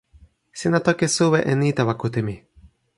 sina toki suwi e ni tawa kute mi.